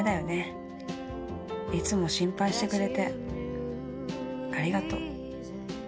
いつも心配してくれてありがとう。